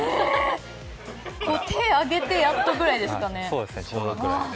手を上げてやっとぐらいですかね。